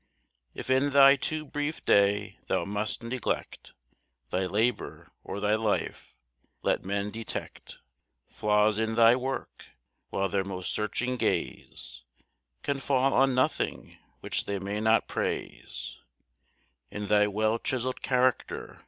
If in thy too brief day thou must neglect Thy labor or thy life, let men detect Flaws in thy work! while their most searching gaze Can fall on nothing which they may not praise In thy well chiseled character.